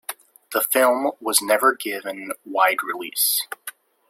The film was never given wide release.